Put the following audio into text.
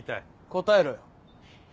答えろよ。